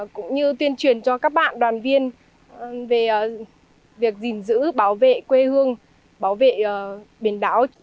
cũng như tuyên truyền cho các bạn đoàn viên về việc gìn giữ bảo vệ quê hương bảo vệ biển đảo